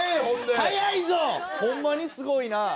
ほんまにすごいな。